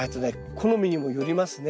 好みにもよりますね。